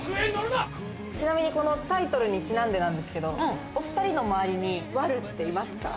ちなみに、このタイトルにちなんでですが、お２人の周りに悪女っていますか？